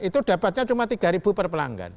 itu dapatnya cuma tiga ribu per pelanggan